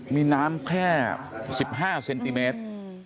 มีน้ำแค่๑๕เซนติเมตร